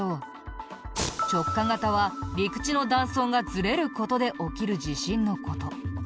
直下型は陸地の断層がずれる事で起きる地震の事。